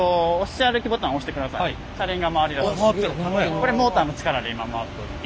これモーターの力で今回っております。